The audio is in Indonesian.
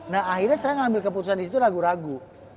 nah akhirnya saya ngambil keputusan disitu ragu ragu